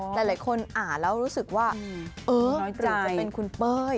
ที่ทำให้หลายคนอ่านแล้วรู้สึกว่าเออหรือเป็นคุณเป้ย